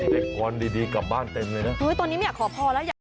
เด็กกวนดีกลับบ้านเต็มเลยนะตอนนี้ไม่อยากขอพรแล้ว